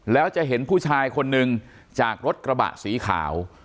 แล้วจะเห็นผู้ชายคนนึงจากรถกระบะสีขาว